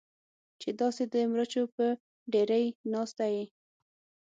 چې داسې د مرچو په ډېرۍ ناسته یې.